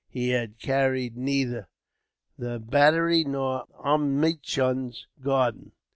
He had carried neither the battery nor Omichund's garden.